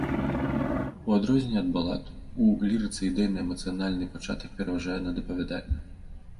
У адрозненне ад балад, у лірыцы ідэйна-эмацыянальны пачатак пераважае над апавядальным.